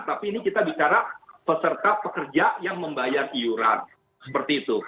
tapi ini kita bicara peserta pekerja yang membayar iuran seperti itu